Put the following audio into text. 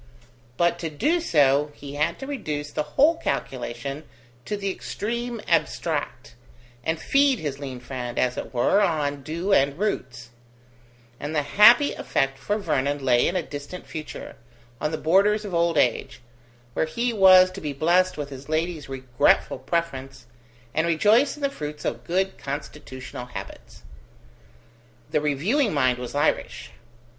But to do so, he had to reduce the whole calculation to the extreme abstract, and feed his lean friend, as it were, on dew and roots; and the happy effect for Vernon lay in a distant future, on the borders of old age, where he was to be blessed with his lady's regretful preference, and rejoice in the fruits of good constitutional habits. The reviewing mind was Irish.